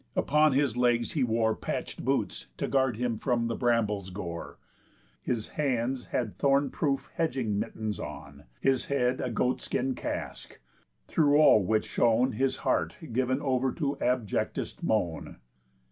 Upon his legs he wore Patch'd boots to guard him from the bramble's gore; His hands had thorn proof hedging mittens on; His head a goat skin casque; through all which shone His heart giv'n over to abjectest moan.